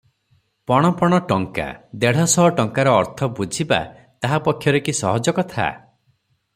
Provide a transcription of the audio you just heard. ପଣ ପଣ ଟଙ୍କା, ଦେଢ଼ଶହ ଟଙ୍କାର ଅର୍ଥ ବୁଝିବା ତାହା ପକ୍ଷରେ କି ସହଜ କଥା?